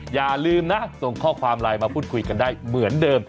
อย่าลืมนะส่งข้อความไลน์มาพูดคุยกันได้เหมือนเดิม